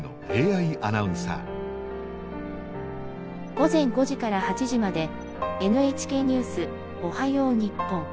「午前５時から８時まで『ＮＨＫニュースおはよう日本』。